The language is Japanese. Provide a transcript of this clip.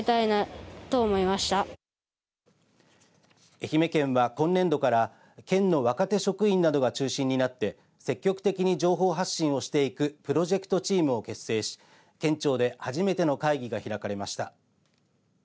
愛媛県は今年度から県の若手職員などが中心になって積極的に情報発信をしていくプロジェクトチームを形成し県庁で初めての会議が開かれました。